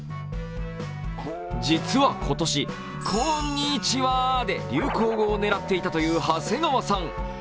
実は今年、「こーんにーちはー！」で流行語を狙っていたという長谷川さん。